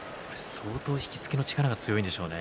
相当、引き付けの力が強いですね。